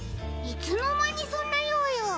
いつのまにそんなよういを？